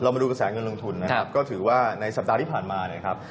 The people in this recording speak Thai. มาดูกระแสเงินลงทุนนะครับก็ถือว่าในสัปดาห์ที่ผ่านมาเนี่ยครับ